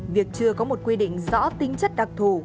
việc chưa có một quy định rõ tính chất đặc thù